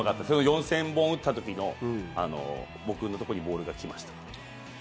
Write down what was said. ４０００本打った時僕のところにボールが来ましたから。